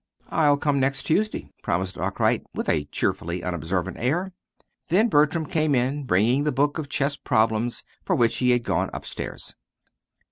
"I'll come next Tuesday," promised Arkwright, with a cheerfully unobservant air. Then Bertram came in, bringing the book of Chess Problems, for which he had gone up stairs.